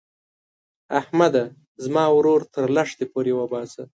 احمده؛ زما ورور تر لښتي پورې باسه.